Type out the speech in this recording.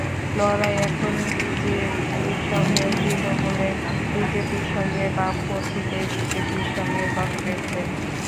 লড়াই এখন বিজেপির সঙ্গে তৃণমূলের, বিজেপির সঙ্গে বামপন্থীদের, বিজেপির সঙ্গে কংগ্রেসের।